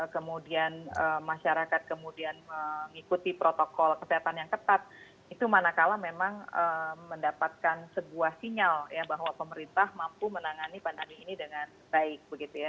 kemudian masyarakat kemudian mengikuti protokol kesehatan yang ketat itu manakala memang mendapatkan sebuah sinyal ya bahwa pemerintah mampu menangani pandemi ini dengan baik begitu ya